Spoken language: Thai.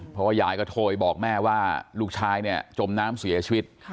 เพราะว่ายายก็โทรไปบอกแม่ว่าลูกชายเนี่ยจมน้ำเสียชีวิต